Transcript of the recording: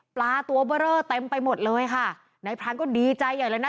ปลาตัวเบอร์เรอเต็มไปหมดเลยค่ะนายพรานก็ดีใจใหญ่เลยนะ